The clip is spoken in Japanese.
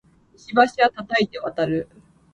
石橋は叩いて渡る